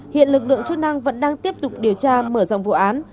hiện lực lượng chức năng vẫn đang tiếp tục điều tra mở rộng vụ án